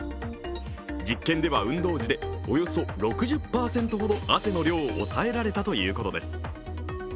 実験では、運動時でおよそ６０％ほど汗の量を抑えられたということです。